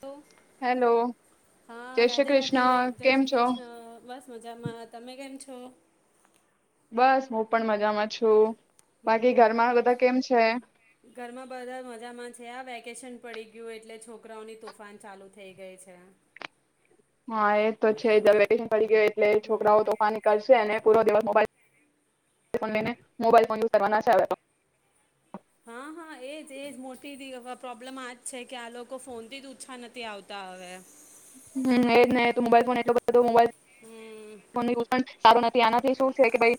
Hello hello હા જય શ્રી રાધે રાધે કૃષ્ણ જય કેમ શ્રી છો કૃષ્ણ બસ મજામાં તમે કેમ છ. છે. બસ હું પણ મજામાં છું. બાકી હમમ ઘરમાં બધા કેમ છે ઘરમાં બધા મજામાં છે આ વેકેશન પડી ગયું એટલે છોકરાઓની તોફાન ચાલુ થઈ ગઈ છે. હા એ તો છે દવે પડી ગયા એટલે છોકરાઓ હમ તોફા નીકળશે અને પૂ દિવસ મોબાઈલઈ મોબાઈલ ફોન યુઝ કરવાના છે આવે તો હા હા એજ એજ મોટી પ્રોબ્લેમ આજ છે કે આ લોકો ફોન થી જ ઓછા નથી આવતા હવે હમ એજ નું મોબાઈલ ફો તો મોબાઈલ હમ ચાલ. ત્યાંનાથી શું છે કે ભ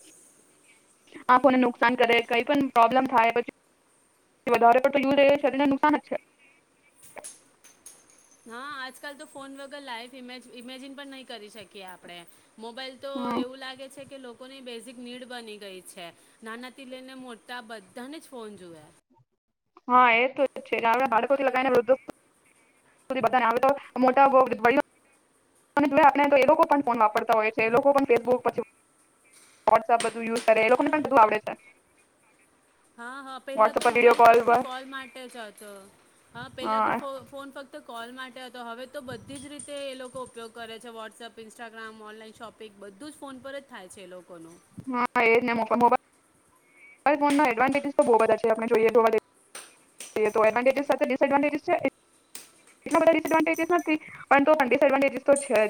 આંખોને નુકસાન કરે કઈ પણ પ્રોબ્લેમ થાય પછ વધને નુકસાન જ છે. હા આજકાલ તો ફોન વગર લાઈઇવ ઇમે ઇમેજિન પણ નહીં કરી શકે. આપણે મોબાઈલ તો હમ એવું લાગે છે કે લોકોની બેઝિક નીડ બની ગઈ છે નાનાથી લઈને મોટતા બધાને જ ફોન જોએ. હા એ તો છેટ આપ બાળકોથી લગાવ ને વૃધ બધાને આવે તો મોટાણે એ લોકો પણ ફોન વાપરતા હોય છે લોકો પણ ફેસબુક પછી વોટ્સઅપ બધું યુઝ કરે એ લોકોને પણું આવડે છે. હા હા પેલા વોટ્સઅપ તો પર વિડીયો મોબાઈલ ફક્ત પર કોલ માટે જ હતો હા પેલા તો હા ફ ફોન ફક્ત કોલ માટે હતો હવે તો બધી જ રીતે એ લોકો ઉપયોગ કરે છે વોટ્સઅપ ઇન્સ્ટાગ્રામ ઓનલાઈન શોપિંગ બધું જ ફોન પર જ થાય છે એ લોકોનું હા એજ ને મોબ ફ તો બ બધા છે આપ જોએસડવાન્ટેસ તો છે.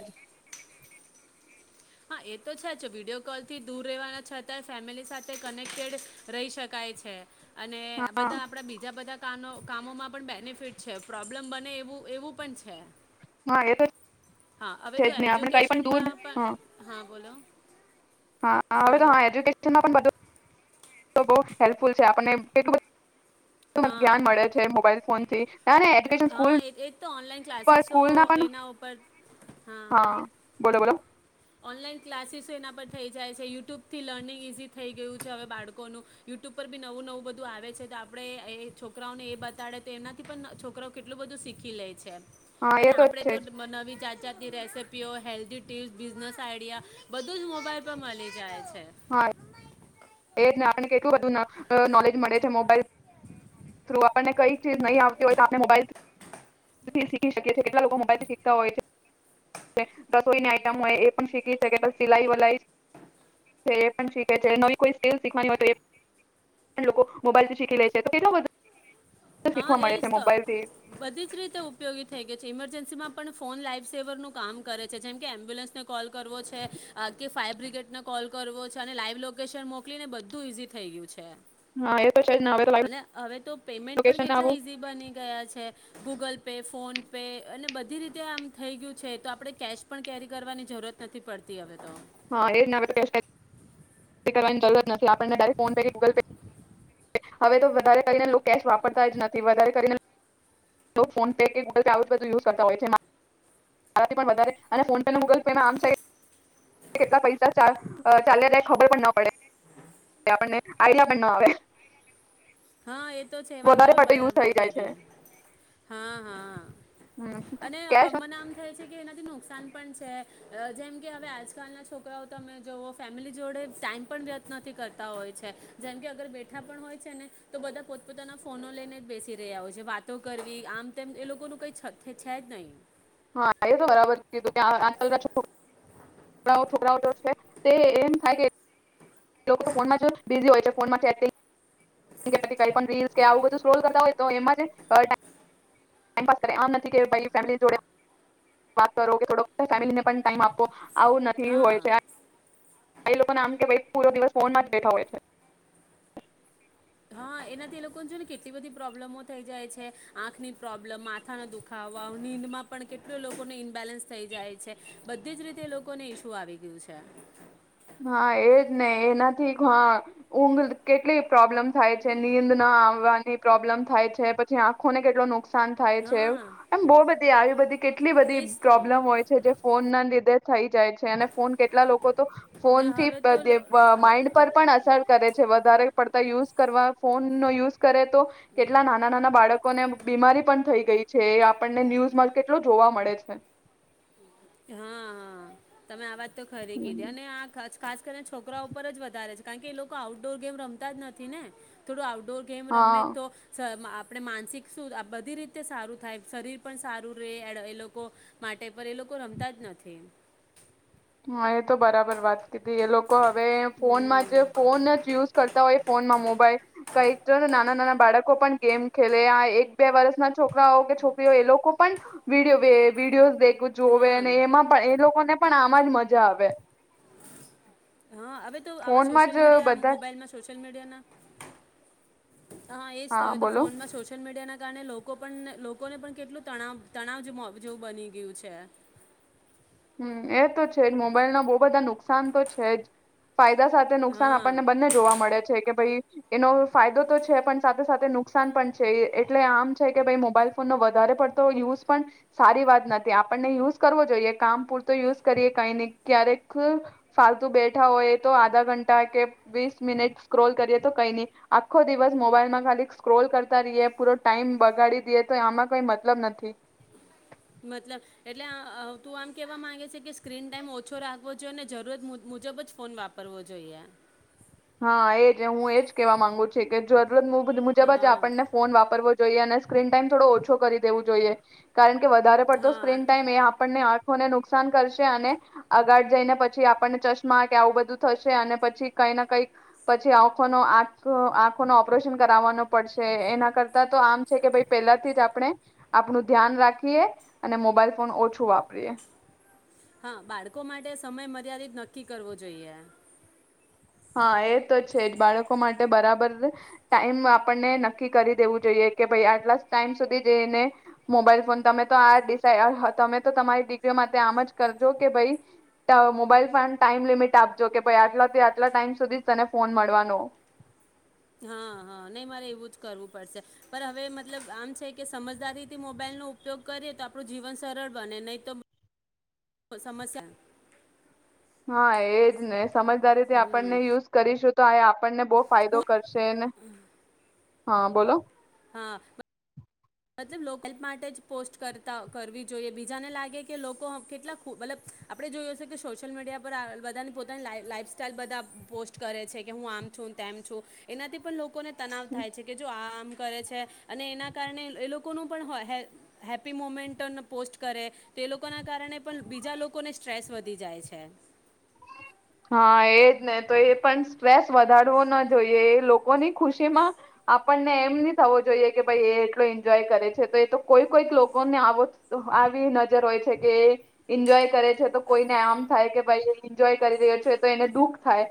હા એ તો છે વિડીયો કોલ થી દૂર રહેવાના છતાં ફેમિલી સાથે કનેક્ટેડ રહી શકાય છે. અને આ હા બધા આપણા બીજા બધા કાનો કામોમાં પણ બેનિફિટ છે પ્રોબ્લેમ બને એવું એવું પણ છે. હા એ હા હવે તો છે જ ને આપણે કઈ પણ દૂર એજ્યુકેશનમાં પણ હા બોલો હા હવે તો હાલો હ એજુકેશન પણ બધું તો બહુ હેલ્પફુલ છે આપણને એટલું હા ધ્યાન મળે છે મોબાઈલ ફોન કે, હા એ તો ઓનલાઈન પર ક્લાસીસો સ્કૂલ ના પણ એના ઉપર હા હ બોલો બોલો ઓનલાન ક્લાસીસ એના પર થઈ જાય છે યુટ્યુબથી લર્નિંગ ઈઝી થઈ ગયું છે હવે બાળકોનું યુટ્યુબ પર બી નવું નવું બધું આવે છે તો આપણે એ છોકરાઓને એ બતાડે તો એમનાથી પણ છોક છકરા કેટલું બધું શીખી લે છે. હા એ અને આપડે છે તો જ નવી જાત જાતની રેસીપીઓ હેલ્ધી ટીપ્સ બિઝનેસ આઈડિયા બધું જ મોબાઈલ પર મળી જાય છે. હા. એજને આપણને કેટલું બધું નોલેજ મળે છે મોબાઈલ થ્રુ આપણને કઈ ચીજ નહી આવતી હોય તો આપણે મોબાઈલથી શીખી શકીએ છીએ કેટલા લોકો મોબાઈલથી શીખતા હોય છે રસોઈની આઈટમ હોય એ પણ શીખી શકે સિલાઈ વલાઈ છે એ પણ શીખે છે નવી કોઈ ીખવા લોકો મોબાઈલથી શીખી લે છે તો કેટ બધ હા એજ તો બધી જ રીતે ઉપયોગી થઈ ગયો છે ઇમરજન્સી માં પણ ફોન લાઈવ સેવરનું કામ કરે છે જેમ કે એમ્બ્યુલન્સને કોલ કરવો છે કે ફાયર બ્રિગેડને કોલ કરવો છે અને લાઈવ લોકેશન મોકલીને બધું ઇઝી થઈ ગયું છે. હા એ તોછે જ ના આવે તો લાઈવ અને હવે તો પેમેન્ટ લોકેશન પણ કેટલા આવું ઈઝી બની ગયા છે. ગૂગલ પે, ફોન પે, અને બધી રીતે આમ થઈ ગયું છે તો આપણે કેશ પણ કેરી કરવાની જરૂરત નથી પડતી હવે તો હા એજ કેશ કરવાની જરૂર જ નથી આપણને direct PhonePe, Google pay, હવે તો વધારે કરીને કેશ વાપરતા જ નથી વધારે કરીને ફોન પે કે ગૂગલ પે આવું બધ યુઝ કરતા હોય છે ફોને ગૂગલ પે આ કેટલા પૈસા ચાલ્યા ખબર પણ ન પડે ન આવે હા એ તો છે વાત વધારે તમે પડતો યુઝ બરાબર થઈ જાય છે કીધી હા હા હમ અને કેશ મને આમ થાય છે કે એનાથી નુકસાન પણ છે જેમ કે હવે આજકાલના છોકરાઓ તમે જોઓ ફેમિલી જોડે ટાઈમ પણ વ્યત નથી કરતા હોય છે જેમ કે અગર બેઠા પણ હોય છે ને તો બધા પોતપોતાના ફોનો લઈને જ બેસી રહ્યા હોય છે વાતો કરવી આમ તેમ એ લોકોનું કઈ છે જ નહીં હા તો બરાબર કીધું છોકરા તે એમ થાય કે એ લોકો ફોનમાં બિઝી હોય છે ફોન માં ચેટ જીપીટી કઈ પણ રીલસ કે આવું બધું સક્રોલ કરતા હોય તો એમાં જે ટાઈમ પા કરે આમ નથી કે ભ ફેમિલી જોડે વાત કરો કેોડ ફેમિલીને પણ ટાઈમ આપો આવું નથી હા હોય છે કઈ લોકોને આમ કે ભાઈ પૂરો દિવસ ફોનમાં જ બેઠા હોય છે. હા એનાથી એ લોકોને જો ને કેટલી બધી પ્રોબ્લેમો થઈ જાય છે આંખની પ્રોબ્લમ માથાના દુખાવા નીંદમાં પણ કેટલો લોકોને ઇનબેલેન્સ થઈ જાય છે બધી જ રીતે એ લોકોને ઇશ્યુ આવી ગયું છે. હા એજ ને એનાથી હ ઊંઘ કેટલી પ્રોબ્લેમ થાય છે નીંદ ના આવવાની પ્રોબ્લેમ થાય છે પછી આંખોને કેટું નુકસાન નુકસાન થાય હા છે એમ બહુ બધી આવી બધી કેટલી એ જ બધી તો પ્રોબ્લેમ હોય છે જે ફોનના લીધે થઈ જાય છે અને ફોન કેટલા લોકો તો ને ફોનથી હવે તો પધે લો- પ આ- માઈન્ડ આ- પર પણ અસર કરે છે વધારે પડતા યુઝ કરવા ફોનનો યુઝ કરે તો કેટલા નાના નાના બાળકોને બ બીમારી પન થઈ ગઈ છે એ આપણને ન્યૂઝમાં કેટલો જોવા મળે છે. કે હા, તમે આવાજ તો ખરી કીધી હમ અને આ ખછ ખાસ કરીન છોકરાઓ ઉપર જ વધારે છ, કારણ કે એ લોકો આઉટડોર ગેમ રમતા જ નથી ને? થોડું આઉટ ડોર ગેમ હા રમેતો સ માઆપ આપડે માનસિક શું ર આ બધી રીતે સારું થાય. શરીર પન સારું રેહ એડ એ લોકો માટે પર એ લોકો રમ તજ નથી. માયેત તો બરાબર વાત કીધી. એ લોકો હવે ફોનમાં જ ફોન જ યુઝ કરતા હોય ફોનમાં મો બાયે. કઈક તો ર નાના નાના બાળકો પણ ગેમ ખેલે આ એક બે વરસના છોકરાઓ કે છોકરીઓ એ લોકો પન વિડીયો વે વિડીયો દેખ કો હમ હા જોવેને એમાં પણ એ લોકોને પણ આ માજ મજા આવે. હા, હવે તો આવા ફોનમાં સોશિયલ જ મીડિયા બધા જ. મોબાઈલમાં સોશિયલ મીડિયાના હા, એજ તો હવે તો ફોનમાં સોશિયલ મીડિયાના કારને લોકો પન ને લોકોને પણ કેટલું તણાવ તણાવ જેવું મોઘ જેવુ બની ગ્યું છે. હમ, એ તો છે જ મોબાઈલના બહુ બધા નુકસાન તો છે જ. ફાયદા સાથે નુકસાન હા આપણને બંને જોવા મળે છે કે ભઈ એનો ફાયદો તો છે પન સાથે સાથે નુકસાન પન છે. એ એટલે આમ છે કે ભઈ મોબાઈલ ફોનનો વધારે પડતો યુઝ પન સારી વાત નથી. આપણને યુઝ કરવો જોઈએ કામ પૂરતો યુઝ કરીએ કાઈ નહી ક્યારેક ફાલતુ બેઠા હોઈએ તો આધા ઘંટા કે વીસ મિનિટ સ્ક્રોલ કરીએ તો કઈ નહી. આખો દિવસ મોબાઈલમાં ખાલી સ્ક્રોલ કરતા રહીએ પૂરો ટાઈમ બગાડી દીએ તો આમાં કઈ મતલબ નથી. મતલબ એટલે આઅ તું આમ કેવા માંગે છે કે સ્ક્રીન ટાઈમ ઓછો રાખ પવો જોઈએ અને જરૂરત મુજ મુજબ જ ફોન વાપરવો જોઈએ. હા, એજ હું એજ કેવા માંગુ છે કે જો રોજ મુબધ મુજબ જ હા આપણને ફોન વાપરવો તો ઈ એને સ્ક્રીન ટાઈમ થોડો ઓછો કરી દેવું જોઈએ. કારન કે વધારે પડતો હા સ્ક્રીન ટાઈમ એ આપણને આ ફને નુકસાન કરશે અને આગાડ જઈને પછી આપણને ચશ્મા કે આવું બધું થશે અને પછી કાઈના કઈક પછી આંઉખોનો આંખો આંખોનો ઓપરેશન કરાવવાનો પડશે. એના કરતા તો આમ છે કે ભઈ પેલાથી જ આપણે આપનું ધ્યાન રાખીએ અને મોબાઈલ ફોન ઓછું વાપરીએ. હા, બાળકો માટે સમય મર્યાદિત નક્કી કરવો જોઈએ. હા, એ તો છે જ બાળકો માટે બરાબર ટાઈમ આપણને નક્કી કરી દેવું જોઈએ કે ભઈ આટલા ટાઈમ સુધી જેઈને મોબાઈલ ફોન તમે તો આ ડિસાઈ આહ તમે તો તમારી ડિક્રીઓ માટે આમ જ કરજો કે ભઈ ત મોબાઈલ ફોન ટાઈમ લિમિટ આપજો કે ભાઈ આટલાથી આટ ટલા ટાઈમ સુધી જ તને ફોન મળવાનો. હા હા નહીં મારે એવું જ કરવું પડશે. પર હવે મતલબ આમ છે કે સમજદારીથી મોબાઈલનો ઉપયોગ કરીએ તો આપણું જીવન સરળ બને નહી તો બ સમસ્યા હા એ જ ને સમજદારીથી હમ આપણને યુઝ કરીશું તો આ એ આ - આપણને બહુ ફાયદો હું કરશેને હા બોલો હા મતલબ લો હેલ્પ માટે જ પોસ્ટ કરતા કરવી જોઈએ બીજાને લાગે કે લોકો કેટલા મતલબ આપણે જોયું છે કે સોશિયલ મીડિયા પર બધાની પોતાની લ લાઈફસ્ટાઈલ બધા પોસ્ટ કરે છે કે હું આમ છું તેમ છું એનાથી પણ લોકોને તનાવ થાય છે કે જો આ કરે છે અને એના કારણે એ લોકોનું પણ હ હેપ્પી મોમેન્ટ પોસ્ટ કરે તો એ લોકોના કારણે પણ બીજા લોકોને સ્ટ્રેસ વધી જાય છે. હા એજ ને તો એ પણ સ્ટ્રેસ વધારવો ન જોઈએ એ લોકોની ખુશી માં આપણને એમ નહી થવો જોઈએ કે ભાઈ એ એટલો એન્જોય કરે છે તો એ તો કોઈ કોઈક લોકોને આવ આવી નજર હોય છે કે એ એન્જોય કરે છે તો કોઈને આમ થાય કે ભાઈ એ એન્જોય કરી રહ્યો છે તો એને દુઃખ થાય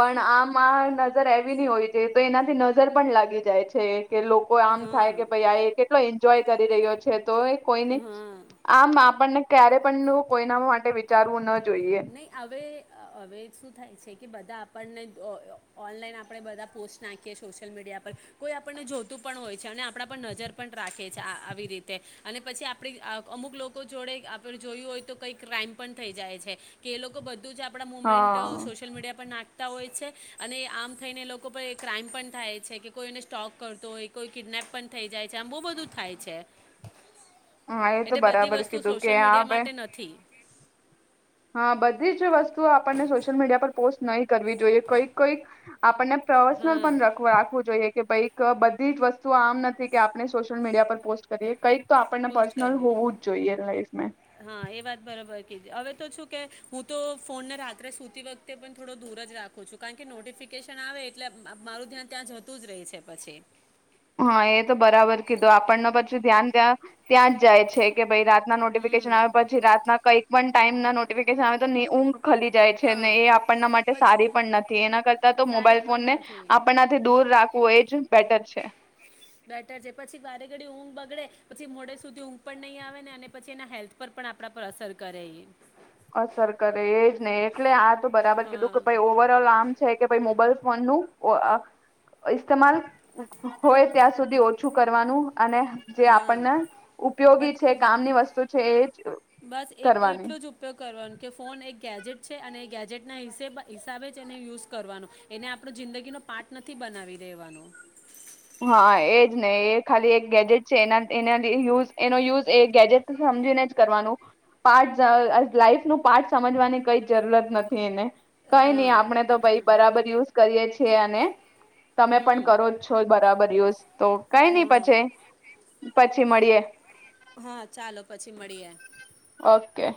પણ આમ આ નજર એ હોય છે તો એનાથી નજર પણ લાગી જાય છે કે લોકો આમ હા થાય કે ભાઈ આ એક- એટલો એન્જોય કરી રહ્યો છે તો કોઈને હા આમ આપણને ક્યારે પણ નું કોઈના માટે વિચારવું ના જોઈએ નહીં અ હવે હવે શું થાય છે કે બધા આપણને ઓ ઓનલાઈન આપણે બધા પોસ્ટ નાખીએ સોશિયલ મીડિયા પર કોઈ આપણને જોતું પણ હોય છે અને આપણા પર નજર પણ રાખે છે આ આવી રીતે અને પછી આપણે અ અમુક લોકો જોડે આપણે જોયું હોય તો કંઈક ક્રાાઈમ પણ થઈ જાય છે. કે લોકો બ બું આપણા મુમેન્ટ હા સોશિયલ મીડિયા પર નાખ હોય છે અને આમ થઈને લોકો પર ક્રાઈમ પણ થાય છે કે કોઈને સ્ટોક કરતો હોય કોઈ કિડનેપ પણ થઈ જાય છે આમ બહુ બધું થાય છે હા એ તો એટલે બધી બરાબર વસ્તુ કીધું કે સોશિયલ આ મીડિયા બે માટે નથી હા બધી જ વસ્તુઓ આપણને સોશિયલ મીડિયા પર પોસ્ટ નહી કરવી જોઈએ કોઈ કોઈ આપણને પ્રસનલ હા પણ રાખવું જોઈએ કે ભઈક બધી જ વસ્તુ આમ નથી કે આપને સોશિયલ મીડિયા પર પોસ્ટ કરીએ કઈક તો આપણને પોસ્ટ પર્સનલ કરવી હોવું જ જોઈએ લાઈફમેં હા એ વાત બરાબર હવે તો છુ કે હું તો ફોનને રાત્રે સુતી વખતે પણ થોડો દૂર જ રાખું છું કારણ કે નોટિફિકેશન આવે એટલે મ મારું ધ્યાન ત્યાં જતું જ રહી છે પછી હા એ તો બરાબર કીધું આપણને પછું ધ્યાન ત્યાં ત્યાં જ જાય છે કે ભાઈ રાતના હમ નોટિફિકેશન આવ પછી રાતના કઈ વન ટાઈમ ના નોટિફિકેશન આવે તો ઊં ખલી જાય છે હા ને એ આપણના માટે પછી સારી પણ નથી એના કરતા તો સારી મોબાઈલ ફોન પણ ને નથી આપણનાથી દૂર રાખવું એ જ બેટર છે બેટર છે પછી વારે ઘડી ઊંઘ બગડે પછી મોડે સુધી ઊંઘ પણ નહીં આવે ને અને પછી એના હેલ્થ પર પણ આપણા પર અસર કરે અસર કરે એજ નહી એટલે આ તો બરાબર કીધું કે ભાઈ હા ઓવર ઓલ આમ છે કે ભાઈ મોબાઈલ ફોન નું અ આ ઇસ્માલ હો હોય ત્યાં સુધી ઓછું કરવાનું અને જે હા આપણને મત ઉપયોગી છે મત કામની વસ્તુ છે એ જ કરવાની કરવા ફોન એક ગેજેટ છે અને એ ગેજેટના હીસે હિસાબે એને યુઝ કરવાનો એને જિંદગીનો પાર્ટ નથી બનાવી દેવાનો હા એજ ને એ ખાલી એક ગેજેટ છે એ એના યુઝ એનો યુઝ એ ગેજેટ સમજીને જ કરવાનું પાર્ટ લાઈફ ન પાર્ટ સમજવાની કઈ જરૂરત નથી એને કઈ નહી હા આપડણે તો ભાઈ બરાબર યુઝ કરીએ છીએ અને તમે પણ હમ કરો જ બરાબર [unintelligible] તો કઈ નહી પછી, હા પછી મળીએે. હા ચાલો પછી મળીએ ઓકે.